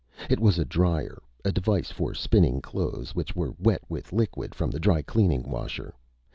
It was a dryer; a device for spinning clothes which were wet with liquid from the dry cleaning washer.